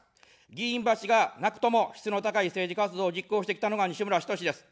議員バッジがなくとも質の高い政治活動を実行してきたのが西村ひとしです。